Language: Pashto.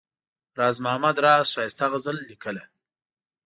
راز محمد راز ښایسته غزل لیکله.